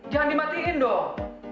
jangan dimatiin dong